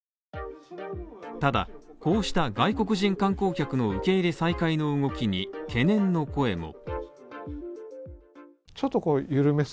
ただ、こうした外国人観光客の受け入れ再開の動きに懸念の声も。